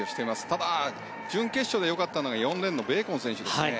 ただ、準決勝で良かったのが４レーンのベーコン選手ですね。